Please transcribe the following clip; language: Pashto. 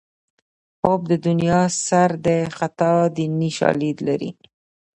حب د دنیا سر د خطا دیني شالید لري